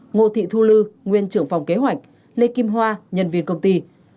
ngô thị thu lư nguyên trưởng phòng kế hoạch lê kim hoa nhân viên công ty